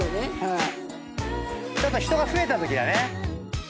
ちょっと人が増えたときだね。